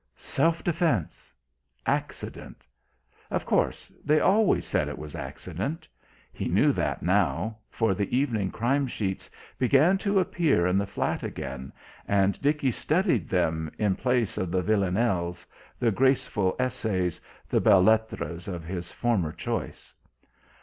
Self defence ... accident. Of course, they always said it was accident. He knew that now, for the evening crime sheets began to appear in the flat again, and Dickie studied them, in place of the villanelles, the graceful essays, the belles lettres of his former choice.